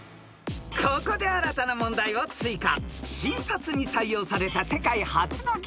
［ここで新たな問題を追加］